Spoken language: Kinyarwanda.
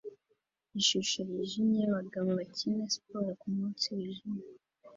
Ishusho yijimye yabagabo bakina siporo kumunsi wijimye